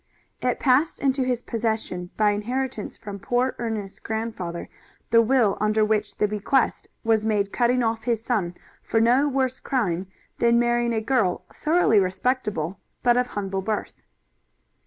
It passed into his possession by inheritance from poor Ernest's grandfather, the will under which the bequest was made cutting off his son for no worse a crime than marrying a girl thoroughly respectable, but of humble birth.